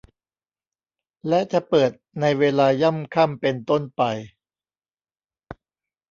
และจะเปิดในเวลาย่ำค่ำเป็นต้นไป